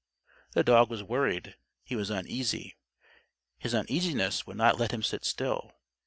The dog was worried. He was uneasy. His uneasiness would not let him sit still.